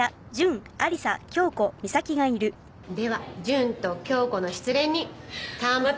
では純と響子の失恋に乾杯。